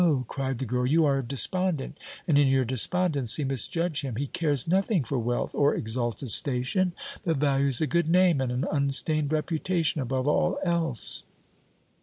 cried the girl. "You are despondent, and in your despondency misjudge him. He cares nothing for wealth or exalted station, but values a good name and an unstained reputation above all else."